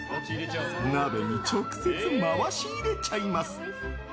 鍋に直接、回し入れちゃいます。